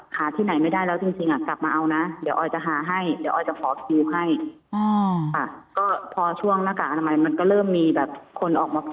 หาที่ไหนไม่ได้แล้วจริงอ่ะกลับมาเอานะ